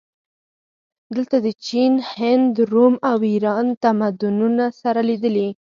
دلته د چین، هند، روم او ایران تمدنونه سره لیدلي